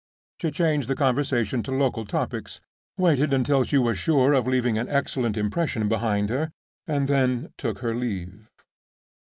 She changed the conversation to local topics, waited until she was sure of leaving an excellent impression behind her, and then took her leave.